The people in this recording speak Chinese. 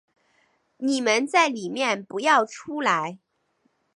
你们在里面不要出来